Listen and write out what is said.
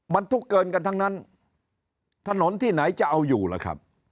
บรรทุกเกินกันทั้งนั้นถนนที่ไหนจะเอาอยู่ล่ะครับ